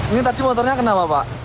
ini tadi motornya kenapa pak